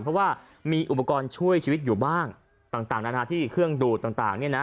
เพราะว่ามีอุปกรณ์ช่วยชีวิตอยู่บ้างต่างนานาที่เครื่องดูดต่างเนี่ยนะ